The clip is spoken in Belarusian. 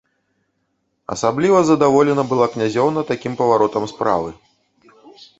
Асабліва задаволена была князёўна такім паваротам справы.